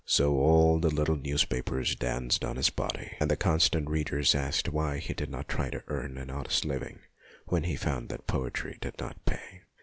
So all the little news papers danced on his body, and the constant readers asked why he did not try to earn an honest living when he found that poetry did not pay.